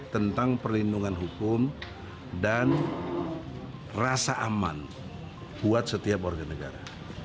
tentang perlindungan hukum dan rasa aman buat setiap warga negara